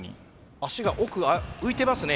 足が奥浮いてますね